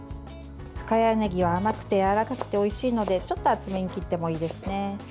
深谷ねぎは甘くてやわらかくておいしいのでちょっと厚めに切ってもいいですね。